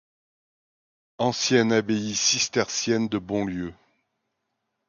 Ancienne abbaye cistercienne de Bonlieu.